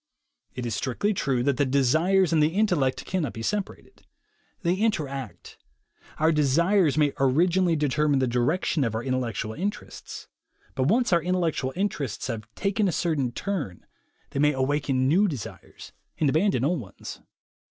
It is strictly true that the desires and the intellect cannot be separated. They interact. Our desires may orig inally determine the direction of our intellectual interests, but once our intellectual interests have taken a certain turn, they may awaken new desires, and abandon old ones.